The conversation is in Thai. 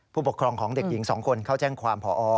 ผู้ปกครองของเด็กหญิง๒คนเข้าแจ้งความพอ